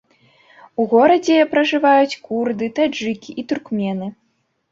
У горадзе пражываюць курды, таджыкі і туркмены.